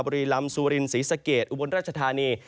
บุรีลำซูรินศรีสะเกดอุบลราชธานี